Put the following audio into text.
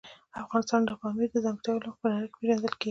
افغانستان د پامیر د ځانګړتیاوو له مخې په نړۍ پېژندل کېږي.